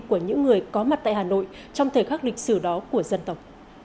của những người có mặt tại hà nội trong thời khắc lịch sử đó của dân tộc